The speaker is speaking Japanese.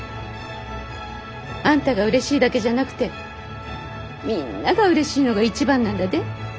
あんたがうれしいだけじゃなくてみぃんながうれしいのが一番なんだで。